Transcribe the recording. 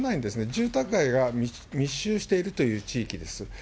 住宅街が密集しているという地域です。